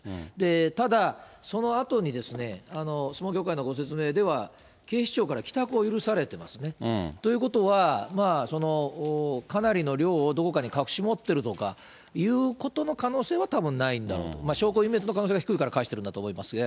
ただ、そのあとに相撲協会のご説明では、警視庁から帰宅を許されてますね。ということは、かなりの量をどこかに隠し持ってるとかいうことの可能性はたぶんないんだろうと、証拠隠滅の可能性が低いから、帰してるんだと思いますね。